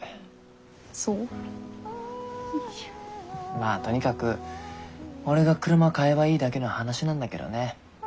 まあとにかく俺が車買えばいいだけの話なんだけどね。